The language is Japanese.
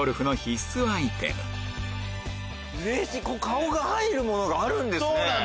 顔が入るものがあるんですね。